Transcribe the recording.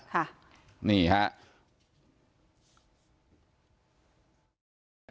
ค่ะนี่ฮะ